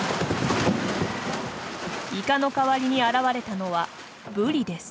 イカの代わりに現れたのはブリです。